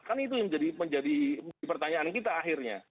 kan itu yang menjadi pertanyaan kita akhirnya